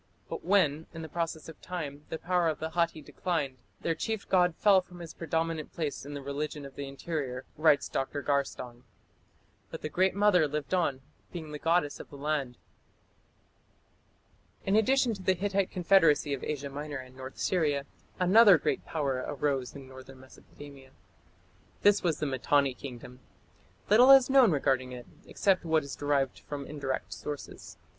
But when, in the process of time, the power of the Hatti declined, their chief god "fell... from his predominant place in the religion of the interior", writes Dr. Garstang. "But the Great Mother lived on, being the goddess of the land." In addition to the Hittite confederacy of Asia Minor and North Syria, another great power arose in northern Mesopotamia. This was the Mitanni Kingdom. Little is known regarding it, except what is derived from indirect sources.